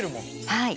はい。